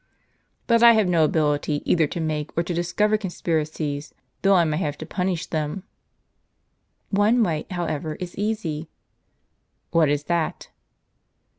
" But I have no ability either to make or to discover con spiracies, though I may have to punish them." " One way, however, is easy." "What is that?"